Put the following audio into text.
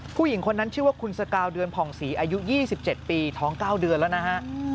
ผู้หญิงคนนั้นชื่อว่าคุณสกาวเดือนผ่องศรีอายุ๒๗ปีท้อง๙เดือนแล้วนะฮะ